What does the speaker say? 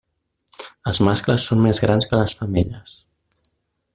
Els mascles són més grans que les femelles.